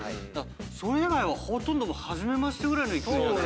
それ以外はほとんどもう初めましてぐらいの勢いじゃない。